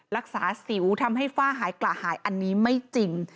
รักษาสิวทำให้ฝ้าหายกระหายอันนี้ไม่จริง